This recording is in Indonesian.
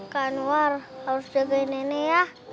kak anwar harus jagain nenek ya